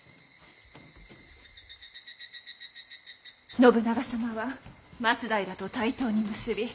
信長様は松平と対等に結び